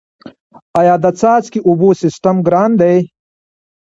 آیا د څاڅکي اوبو سیستم ګران دی؟